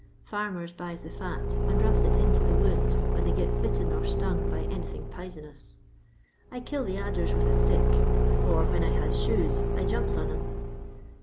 Farmers buys the fiit, and rubs it into the wound when they gets bitten or stung by anything p'isonous. I kill the adders with a stick, or, when I has shoes, I jumps on 'em.